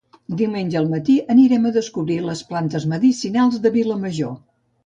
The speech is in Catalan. Diumenge al matí anirem a descobrir les plantes medicinals de Vilamajor